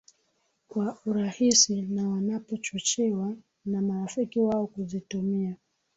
kwa urahisi na wanapochochewa na marafiki wao kuzitumia